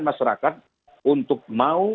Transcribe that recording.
masyarakat untuk mau